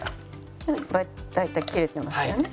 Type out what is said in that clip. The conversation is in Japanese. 大体切れてますよね。